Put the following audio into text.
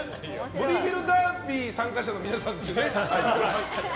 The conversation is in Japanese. ボディービルダービー参加者の皆さんです。